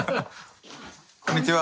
こんにちは。